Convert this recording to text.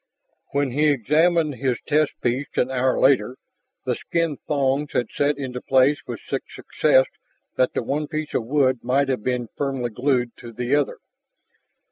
When he examined his test piece an hour later, the skin thongs had set into place with such success that the one piece of wood might have been firmly glued to the other.